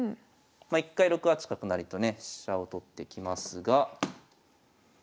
一回６八角成とね飛車を取ってきますが。